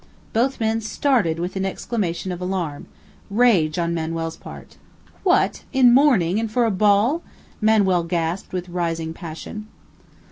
Both men started with an exclamation of alarm rage on Manuel's part. "What! In mourning, and for a ball?" Manuel gasped with rising passion.